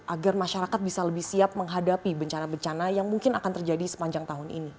agar masyarakat bisa lebih siap menghadapi bencana bencana yang mungkin akan terjadi sepanjang tahun ini